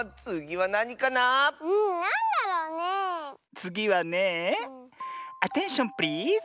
つぎはねえアテンションプリーズ！